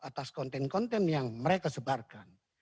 atas konten konten yang mereka sebarkan